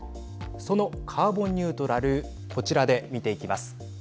そのカーボンニュートラルこちらで見ていきます。